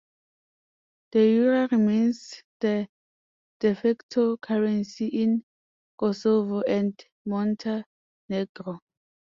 The euro remains the "de facto" currency in Kosovo and Montenegro.